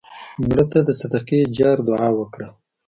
مړه ته د صدقې جار دعا وکړه